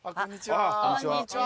こんにちは。